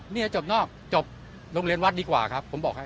นี่จบนอกจบโรงเรียนวัดดีกว่าครับผมบอกให้